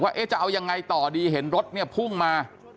ว่าจะเอายังไงต่อดีเห็นรถเนี่ยพุ่งมา